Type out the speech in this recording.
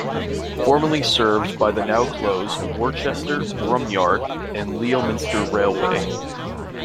Previously served by the now closed Worcester, Bromyard and Leominster Railway.